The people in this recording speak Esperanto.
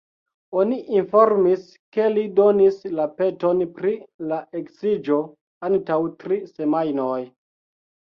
Oni informis ke li donis la peton pri la eksiĝo antaŭ tri semajnoj.